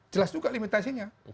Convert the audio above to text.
jelas juga limitasinya